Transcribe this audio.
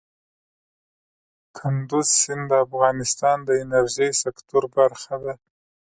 کندز سیند د افغانستان د انرژۍ سکتور برخه ده.